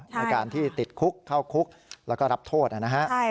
ในการที่ติดคุกเข้าคุกแล้วก็รับโทษนะฮะ